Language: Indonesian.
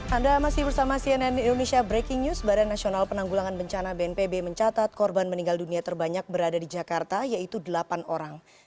anda masih bersama cnn indonesia breaking news badan nasional penanggulangan bencana bnpb mencatat korban meninggal dunia terbanyak berada di jakarta yaitu delapan orang